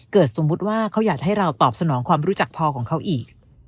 สมมุติว่าเขาอยากให้เราตอบสนองความรู้จักพอของเขาอีก